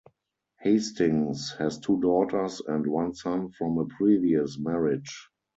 Hastings has two daughters and one son from a previous marriage.